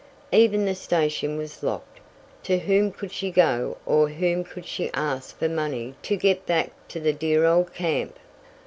Even the station was locked; to whom could she go or whom could she ask for money to get back to the dear old camp?